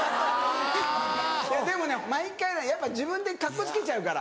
でもね毎回やっぱ自分でカッコつけちゃうから。